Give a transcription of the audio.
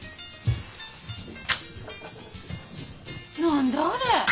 何だあれ。